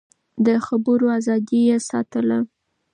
د خبرو ازادي يې ساتله.